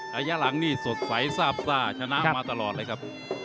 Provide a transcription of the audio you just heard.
ระยะหลังนี่สดใสซาบซ่าชนะมาตลอดเลยครับ